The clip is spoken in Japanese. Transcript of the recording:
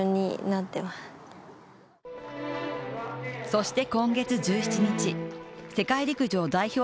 そして今月１７日、世界陸上代表